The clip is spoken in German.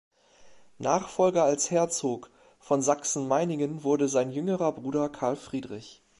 Nachfolger als Herzog von Sachsen-Meiningen wurde sein jüngerer Bruder Karl Friedrich.